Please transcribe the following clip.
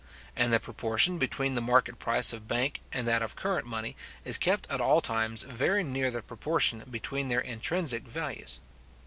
and the proportion between the market price of bank and that of current money is kept at all times very near the proportion between their intrinsic values.